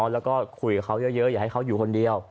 แล้วก็คุยกับเขาเยอะอย่าให้เขาอยู่คนเดียว